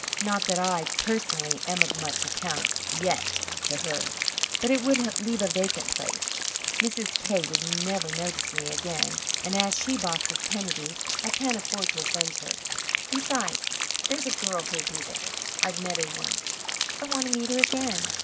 Not that I, personally, am of much account yet to her. But it would leave a vacant place. Mrs. K. would never notice me again and, as she bosses Kennedy, I can't afford to offend her. Besides, there's a girl who'll be there. I've met her once. I want to meet her again.